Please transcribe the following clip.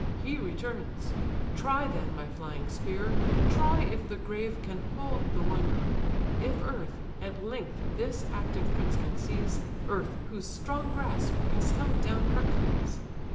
he returns. Try, then, my flying spear! Try, if the grave can hold the wanderer; If earth, at length this active prince can seize, Earth, whose strong grasp has held down Hercules."